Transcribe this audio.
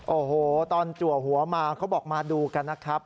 โอ้โหตอนจัวหัวมาเขาบอกมาดูกันนะครับ